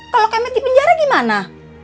kalau akemet dipenjara gimana